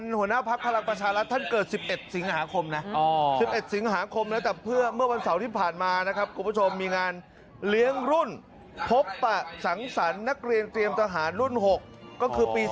เป็นหัวหน้าภักดิ์ภารกิจประชาลรัฐท่านเกิด๑๑สิงหาคมแล้วจากเมื่อวันเสาร์ที่ผ่านมามีงานเลี้ยงรุ่นพบสังสรรค์นักเรียนเตรียมทหารรุ่น๖ก็คือปี๒๕๐๘